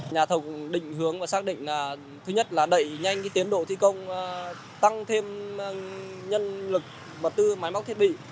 nhà thông định hướng và xác định là thứ nhất là đẩy nhanh tiến độ thi công tăng thêm nhân lực bật tư máy móc thiết bị